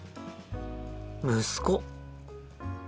息子。